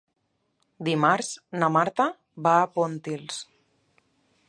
Dimarts na Marta va a Pontils.